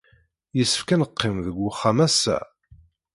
Yessefk ad neqqim deg wexxam ass-a?